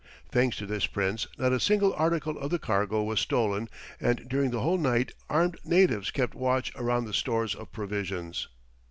Thanks to this prince, not a single article of the cargo was stolen, and during the whole night armed natives kept watch around the stores of provisions.